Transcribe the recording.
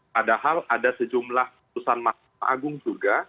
padahal ada sejumlah putusan mahkamah agung juga